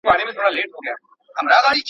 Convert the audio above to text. تېر وخت هېر کړئ او په اوس کي ژوند وکړئ.